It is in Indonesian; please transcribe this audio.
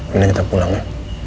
mending kita pulang ya